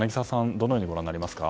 どのようにご覧になりますか。